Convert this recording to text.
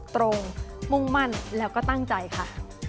ตรงมุ่งมั่นแล้วก็ตั้งใจค่ะ